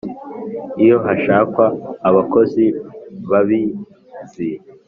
iyo hashakwa abakozi babizi